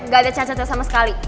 gak ada cacatnya sama sekali